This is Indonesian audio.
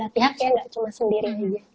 dua belas pihak ya gak cuma sendiri